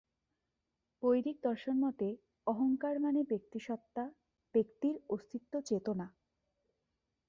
বৈদিক দর্শনমতে অহংকার মানে ব্যক্তি স্বত্তা, ব্যক্তির অস্তিত্ব চেতনা।